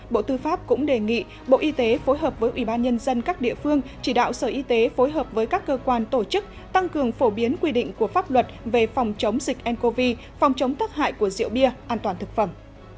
bộ tư pháp cũng đề nghị bộ y tế phối hợp với ủy ban nhân dân các địa phương chỉ đạo sở y tế phối hợp với các cơ quan tổ chức tăng cường phổ biến quy định của pháp luật về phòng chống dịch ncov phòng chống tắc hại của rượu bia an toàn thực phẩm